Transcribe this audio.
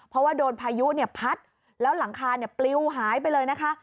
เพราะว่าโดนพายุเนี่ยพัดแล้วหลังคาปลิวหายไปเลยนะคะ